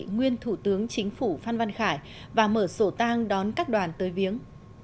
nguyên thủ tướng chính phủ phan văn khải và mở sổ tang đón các đoàn tới viếng